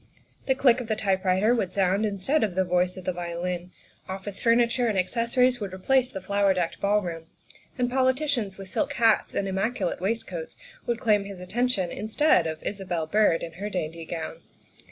The click of the typewriter would sound instead of the voice of the vio lin; office furniture and accessories would replace the flower decked ballroom; and politicians with silk hats and immaculate waistcoats would claim his attention instead of Isabel Byrd in her dainty gown.